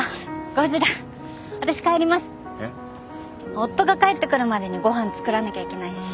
夫が帰ってくるまでにご飯作らなきゃいけないし。